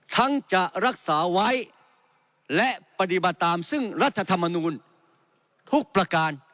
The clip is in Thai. จะรักษาไว้และปฏิบัติตามซึ่งรัฐธรรมนูลทุกประการ